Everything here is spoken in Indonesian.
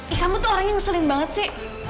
eh kamu tuh orang yang sering banget sih